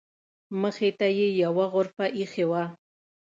مخې ته یې یوه غرفه ایښې وه.